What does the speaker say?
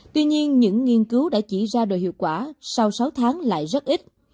tuy nhiên những nghiên cứu đã chỉ ra đồ hiệu quả sau sáu tháng lại rất ít